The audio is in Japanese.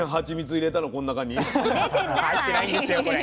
入ってないんですよこれ。